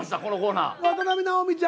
このコーナー。